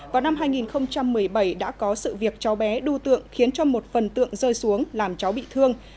vào năm hai nghìn một mươi bảy đã có sự việc cháu bé đu tượng khiến cho một phần tượng rơi xuống làm cháu bị thương